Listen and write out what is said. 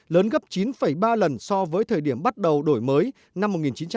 lớn gấp chín ba lần so với thời điểm bắt đầu đổi mới năm một nghìn chín trăm bảy mươi